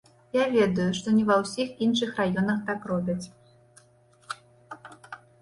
Я ведаю, што не ва ўсіх іншых раёнах так робяць.